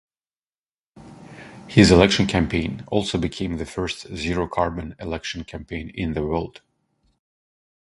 His election campaign also became the first zero carbon election campaign in the world.